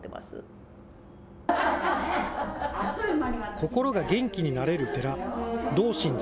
心が元気になれる寺、道心寺。